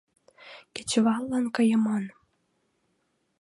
Кечываллан кайыман.